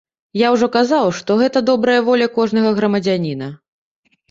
Я ўжо казаў, што гэта добрая воля кожнага грамадзяніна.